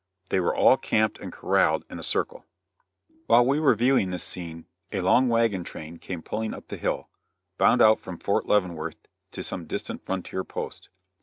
They were all camped and corraled in a circle. While we were viewing this scene, a long wagon train came pulling up the hill, bound out from Fort Leavenworth to some distant frontier post.